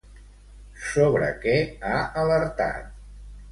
Sobre què ha alertat?